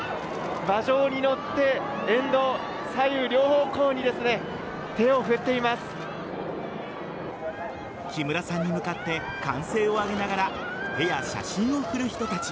馬上に乗って、沿道左右両方向に木村さんに向かって歓声を上げながら手や写真を振る人たち。